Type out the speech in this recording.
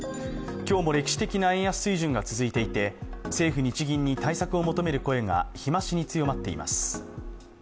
今日も歴史的な円安水準が続いていて政府・日銀に対策を求める声が日増しに強まっています。